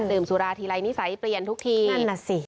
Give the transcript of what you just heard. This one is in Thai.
สื่อมสุราธิรัยนิสัยเปลี่ยนทุกทีนั่นน่ะสิ